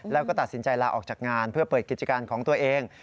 แล้วก็ตัดสินใจลาออกจากงานเพื่อเปิดกิจการของตัวเอง